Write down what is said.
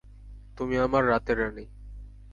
তুমি আমার রাতের রানি।